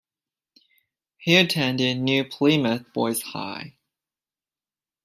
He attended New Plymouth Boys High.